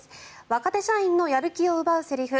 若手社員のやる気を奪うセリフ